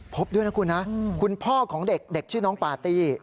พบด้วยนะคุณนะคุณพ่อของเด็กเด็กชื่อน้องปาร์ตี้